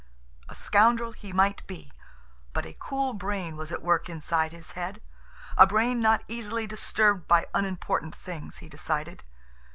A scoundrel he might be, but a cool brain was at work inside his head—a brain not easily disturbed by unimportant things, he decided.